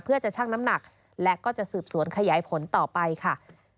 เพื่อจะชั่งน้ำหนักและก็จะสืบสวนขยายผลต่อไปค่ะ